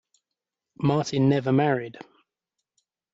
Martin never married.